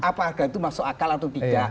apa harga itu masuk akal atau tidak